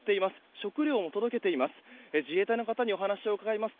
食料も届けています。